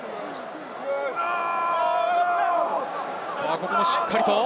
ここもしっかりと。